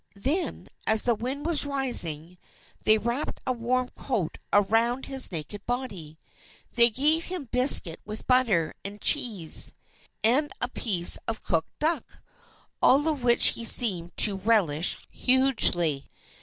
Then, as the wind was rising, they wrapped a warm coat around his naked body. They gave him biscuit with butter, and cheese, and a piece of cooked duck; all of which he seemed to relish hugely.